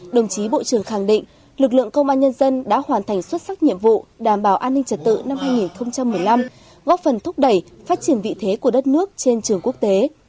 đồng chí bộ trưởng khẳng định lực lượng công an nhân dân đã hoàn thành xuất sắc nhiệm vụ đảm bảo an ninh trật tự năm hai nghìn một mươi năm góp phần thúc đẩy phát triển vị thế của đất nước trên trường quốc tế